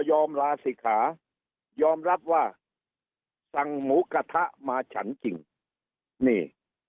ลาศิกขายอมรับว่าสั่งหมูกระทะมาฉันจริงนี่